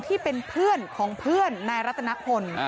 ที่เป็นเพื่อนของเพื่อนนายรัตนพล